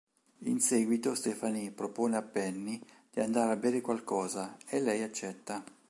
In seguito Stephanie propone a Penny di andare a bere qualcosa, e lei accetta.